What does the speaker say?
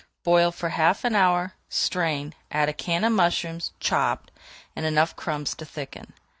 Boil for half an hour, strain, add a can of mushrooms, chopped, and enough crumbs to thicken.